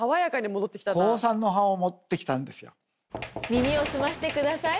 耳をすませてください。